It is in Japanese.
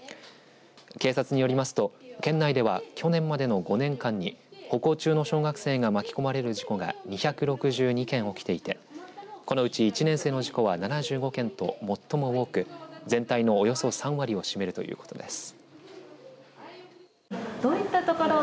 警察によりますと県内では、去年までの５年間に歩行中の小学生が巻き込まれる事故が２６２件起きていてこのうち１年生の事故は７５件と最も多く、全体のおよそ３割を占めるということです。